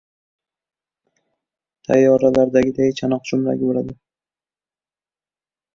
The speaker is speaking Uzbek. Tayyoralardagiday chanoq-jo‘mragi bo‘ladi.